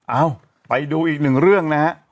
เอ้าไปดูอีกหนึ่งเรื่องนะฮะ